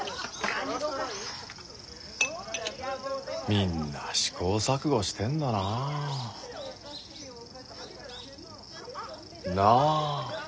みんな試行錯誤してんだなあ。なあ？